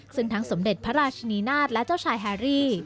ซึ่งทั้งสมเด็จพระราชนีนาฏและเจ้าชายแฮรี่